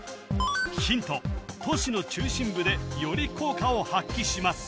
ヒント都市の中心部でより効果を発揮します